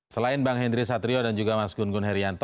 selain bang indri satrio dan juga mas gunggun